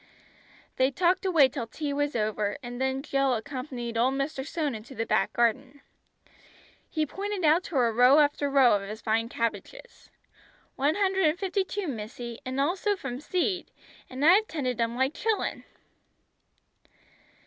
They talked away till tea was over, and then Jill accompanied old Mr. Stone into the back garden. He pointed out to her row after row of his fine cabbages. "One hundred and fifty two, missy, an' all sowed from seed, an' I've tended 'em like chillen."